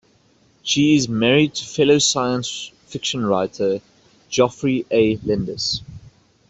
She is married to fellow science fiction writer Geoffrey A. Landis.